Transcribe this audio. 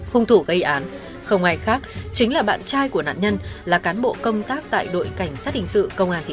hùng thủ gây án không ai khác chính là bạn trai của nạn nhân là cán bộ công tác tại đội cảnh sát hình sự công an tỉnh